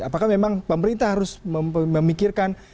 apakah memang pemerintah harus memikirkan